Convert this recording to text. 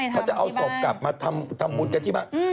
เขาจะเอาศพกลับมาทำบุญกันที่บ้าน